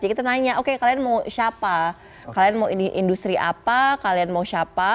jadi kita tanya oke kalian mau siapa kalian mau industri apa kalian mau siapa